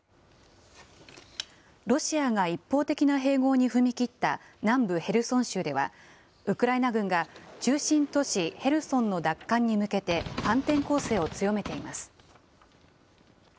ロシアが一方的な併合に踏み切った南部ヘルソン州では、ウクライナ軍が中心都市ヘルソンの奪還に向けて、反転攻勢を強めています。